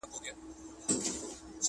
د چینجیو په څېر یو په بل لګېږي؛